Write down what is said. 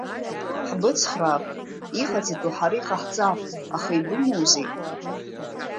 Ҳбыцхраап, иҟаҵатәу ҳара иҟаҳҵап, аха ибымоузеи?